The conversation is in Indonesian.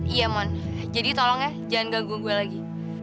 iya mon jadi tolong ya jangan gangguan gue lagi